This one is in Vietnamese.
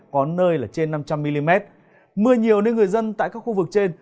có nơi là trên năm trăm linh mm mưa nhiều nên người dân tại các khu vực trên